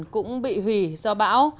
cũng bị hủy do bão